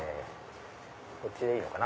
こっちでいいのかな？